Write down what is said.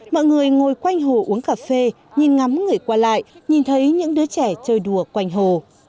mọi người ngồi quanh hồ uống cà phê nhìn ngắm người qua lại nhìn thấy những đứa trẻ chơi đùa quanh hồ